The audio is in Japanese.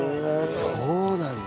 そうなんだ。